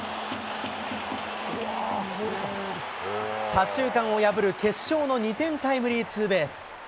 左中間を破る決勝の２点タイムリーツーベース。